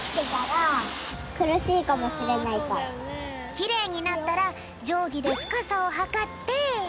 きれいになったらじょうぎでふかさをはかって。